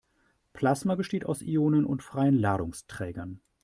Plasma besteht aus Ionen und freien Ladungsträgern.